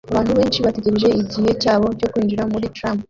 Abantu benshi bategereje igihe cyabo cyo kwinjira muri tram